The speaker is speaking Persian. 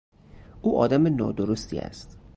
او آدم نادرستی است.